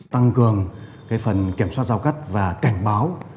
tăng cường phần kiểm soát giao cắt và cảnh báo